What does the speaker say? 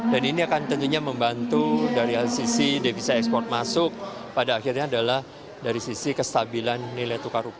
dan ini akan tentunya membantu dari sisi devisa ekspor masuk pada akhirnya adalah dari sisi kestabilan nilai tukar rupiah